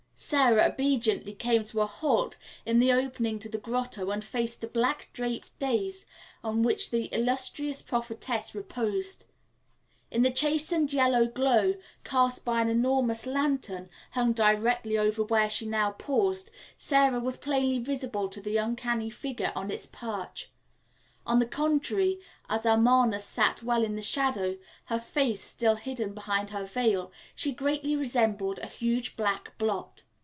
Sara obediently came to a halt in the opening to the grotto and faced a black draped dais on which the illustrious prophetess reposed. In the chastened yellow glow, cast by an enormous lantern hung directly over where she now paused, Sara was plainly visible to the uncanny figure on its perch. On the contrary, as Amarna sat well in the shadow, her face still hidden behind her veil, she greatly resembled a huge black blot.